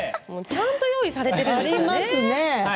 ちゃんと用意されているんですよね。